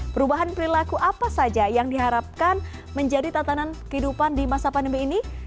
perubahan perilaku apa saja yang diharapkan menjadi tatanan kehidupan di masa pandemi ini